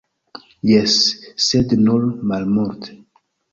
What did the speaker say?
Jes, sed nur malmulte.